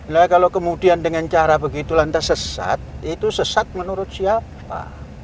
nah kalau kemudian dengan cara begitu lantas sesat itu sesat menurut siapa